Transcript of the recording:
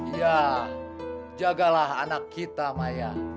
ya jagalah anak kita maya